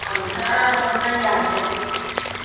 Gopal Chandra সরকারগোবিন্দগঞ্জ, Gaibandha.